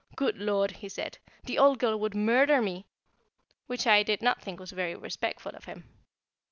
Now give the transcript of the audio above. "Good Lord!" he said, "the old girl would murder me," which I did not think very respectful of him.